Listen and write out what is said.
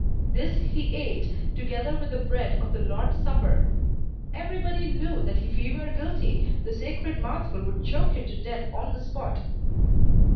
This he ate, together with the bread of the Lord's supper. Everybody knew that if he were guilty, the sacred mouthful would choke him to death on the spot.